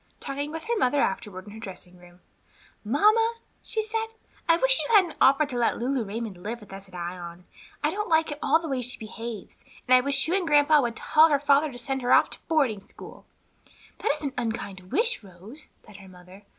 Talking with her mother afterward in her dressing room, "Mamma," she said, "I wish you hadn't offered to let Lulu Raymond live with us at Ion. I don't at all like the way she behaves, and I wish you and grandpa would tell her father to send her off to boarding school." "That is an unkind wish, Rose," said her mother.